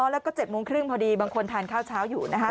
แล้วก็๗โมงครึ่งพอดีบางคนทานข้าวเช้าอยู่นะคะ